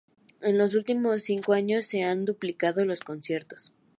En los últimos cinco años, se han duplicado los conciertos